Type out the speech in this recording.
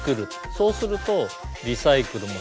そうするとリサイクルもしやすいし。